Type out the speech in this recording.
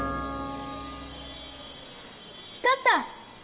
光った！